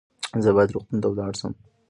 زه باید روغتون ته ولاړ سم